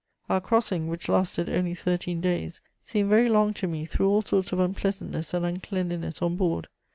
"Our crossing, which lasted only thirteen days, seemed very long to me through all sorts of unpleasantness and uncleanliness on board.